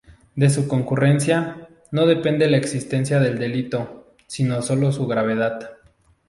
De su concurrencia, no depende la existencia del delito, sino sólo su gravedad.